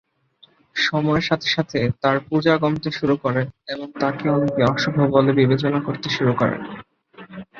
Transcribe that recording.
সময়ের সাথে সাথে তার পূজা কমতে শুরু করে এবং তাকে অনেকে অশুভ বলে বিবেচনা করতে শুরু করে।